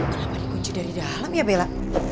kenapa dikunci dari dalam ya bella